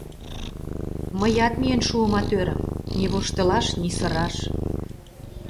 Мыят миен шуымат, ӧрым: ни воштылаш, ни сыраш...